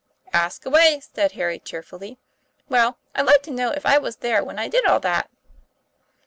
"Ask away," said Harry cheerfully. "Well, I'd like to know if I was there when I did all that?"